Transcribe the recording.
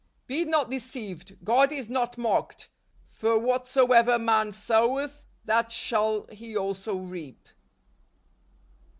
" Be not deceived; God is not mocked; for what¬ soever a man soweth , that shall he also reap.